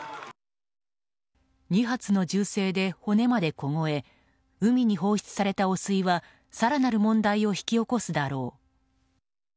２発の銃声で骨まで凍え海に放出された汚水は更なる問題を引き起こすだろう。